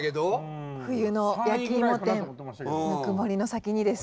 「冬の焼きいも店ぬくもりの先に」です。